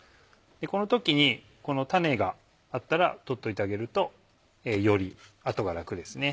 この時にこの種があったら取っておいてあげるとより後が楽ですね。